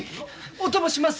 お供します！